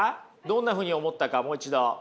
どんなふうに思ったかもう一度。